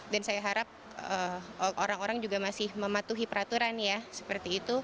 dan saya harap orang orang juga masih mematuhi peraturan ya seperti itu